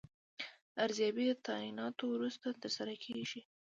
دا ارزیابي د تعیناتو وروسته ترسره کیږي.